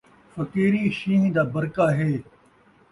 فقیری شین٘ہ دا برقا ہے